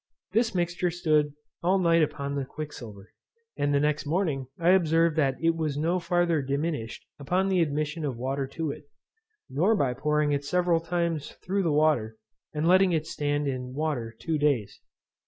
This mixture stood all night upon the quicksilver; and the next morning I observed that it was no farther diminished upon the admission of water to it, nor by pouring it several times through the water, and letting it stand in water two days.